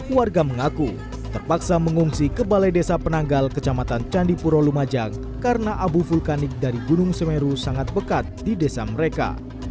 warga mengaku terpaksa mengungsi ke balai desa penanggal kecamatan candipuro lumajang karena abu vulkanik dari gunung semeru sangat pekat di desa mereka